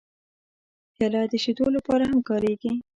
پیاله د شیدو لپاره هم کارېږي.